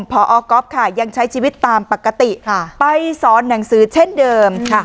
พอก๊อฟค่ะยังใช้ชีวิตตามปกติไปสอนหนังสือเช่นเดิม